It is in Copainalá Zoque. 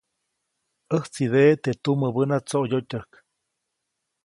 ʼÄjtsideʼe teʼ tumäbäna tsoʼyotyäjk.